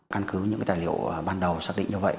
căn cứ những tài liệu ban đầu xác định như vậy